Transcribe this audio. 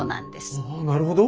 なるほど。